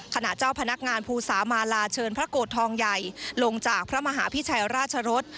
เจ้าพนักงานภูสามาลาเชิญพระโกรธทองใหญ่ลงจากพระมหาพิชัยราชรส